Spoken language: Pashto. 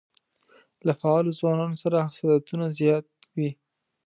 له فعالو ځوانانو سره حسادتونه زیات وي.